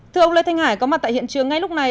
thưa ông lê thanh hải có mặt tại hiện trường ngay lúc này